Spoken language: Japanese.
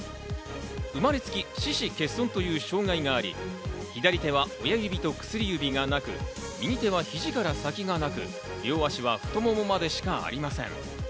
生まれつき四肢欠損という障害があり、左手は親指と薬指がなく、右手は肘から先がなく、両脚は太ももまでしかありません。